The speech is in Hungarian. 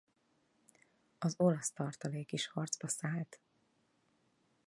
Az olasz tartalék is harcba szállt.